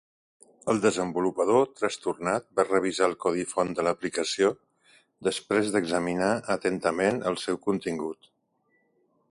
El desenvolupador trastornat va revisar el codi font de l'aplicació després d'examinar atentament el seu contingut.